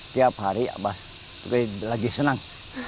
tiap hari abah lagi senang